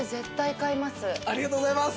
ありがとうございます。